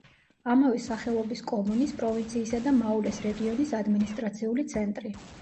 ამავე სახელობის კომუნის, პროვინციისა და მაულეს რეგიონის ადმინისტრაციული ცენტრი.